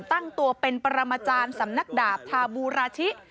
ตั้งตัวเป็นปรมาจารย์สำนักดาบทาบูราชิ